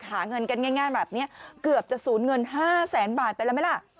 หาเงินกันง่ายแบบนี้เกือบจะสูญเงิน๕แสนบาทไปแล้วไหมล่ะ